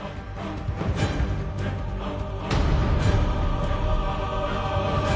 あっ！